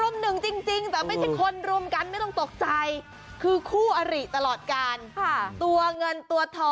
มันก็พยายามที่จากหลางกนี้เห็นปะ